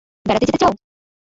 বেড়াতে যেতে চাও?